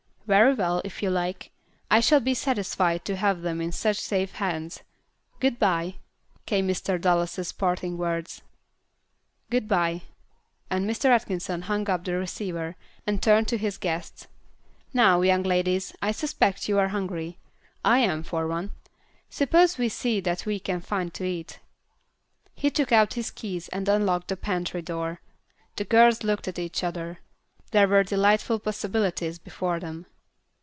"Very well, if you like. I shall be satisfied to have them in such safe hands. Good bye," came Mr. Dallas's parting words. "Good bye," and Mr. Atkinson hung up the receiver, and turned to his guests. "Now, young ladies, I suspect you are hungry. I am, for one. Suppose we see what we can find to eat." He took out his keys and unlocked the pantry door. The girls looked at each other. There were delightful possibilities before them.